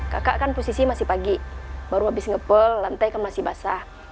kakak kan posisi masih pagi baru habis ngepel lantai kan masih basah